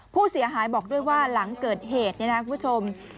ผู้เสียหายบอกด้วยว่าหลังเกิดเหตุเนี่ยนะคุณผู้ชม